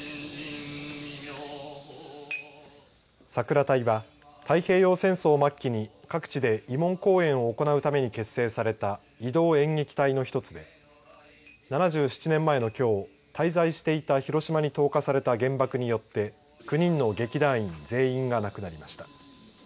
桜隊は太平洋戦争末期に各地で慰問公演を行うために結成された移動演劇隊の１つで７７年前のきょう滞在していた広島に投下された原爆によって９人の劇団員全員が亡くなりました。